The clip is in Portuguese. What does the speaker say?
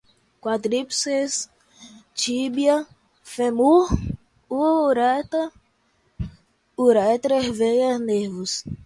quadríceps, tíbia, fêmur, uretra, uréter, veias, nervos